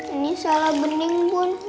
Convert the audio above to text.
ini salah bening pun